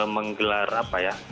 menggelar apa ya